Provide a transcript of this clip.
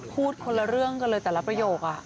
พูดคนละเรื่องกันเลยแต่ละประโยค